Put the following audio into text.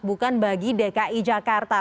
bukan bagi dki jakarta